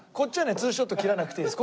２ショット切らなくていいです。